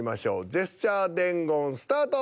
ジェスチャー伝言スタート。